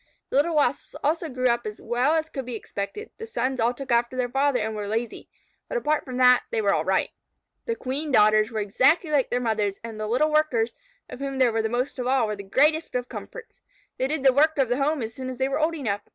The little Wasps also grew up as well as could be expected. The sons all took after their father, and were lazy, but, apart from that, they were all right. The Queen daughters were exactly like their mothers, and the little Workers, of whom there were the most of all, were the greatest of comforts. They did the work of the home as soon as they were old enough.